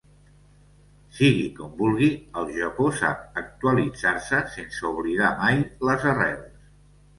Sigui com vulgui, el Japó sap actualitzar-se sense oblidar mai les arrels.